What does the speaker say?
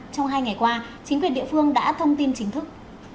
trong hai ngày qua chính quyền địa phương đã thông tin chính thức